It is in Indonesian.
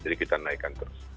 jadi kita naikkan terus